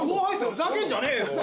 ふざけんじゃねえよ。